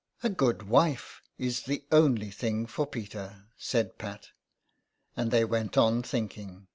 '' A good wife is the only thing for Peter," said Pat. And they went on thinking.